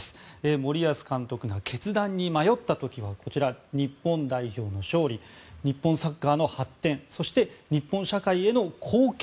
森保監督が決断に迷った時はこちら、日本代表の勝利日本サッカーの発展そして、日本社会への貢献